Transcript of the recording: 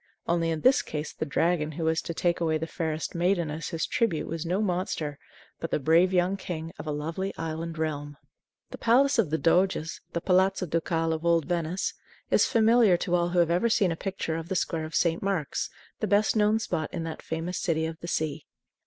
Only in this case the dragon who was to take away the fairest maiden as his tribute was no monster, but the brave young king of a lovely island realm. The Palace of the Doges the Palazzo Ducale of old Venice is familiar to all who have ever seen a picture of the Square of St. Mark's, the best known spot in that famous City of the Sea.